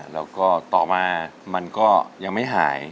แล้วก็ต่อมามันก็ยังไม่หาย